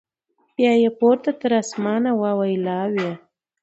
بیا یې پورته تر اسمانه واویلا وي